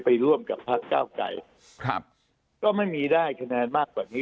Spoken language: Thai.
ไปร่วมกับภักดิ์เก้าไกรก็ไม่มีได้แค่แนนมากกว่านี้